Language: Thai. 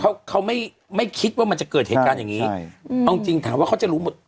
เขาเขาไม่ไม่คิดว่ามันจะเกิดเหตุการณ์อย่างงี้ใช่อืมเอาจริงถามว่าเขาจะรู้หมด